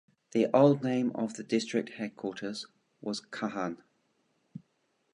The old name of the district headquarters was Kahan.